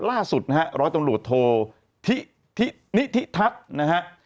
ล่าสุดนะฮะร้อยตำรวจโทธินิทิทัศน์นะฮะ